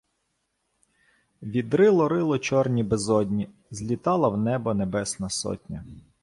Відрило рило чорні безодні, злітала в небо Небесна Сотня.